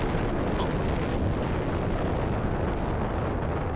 あっ！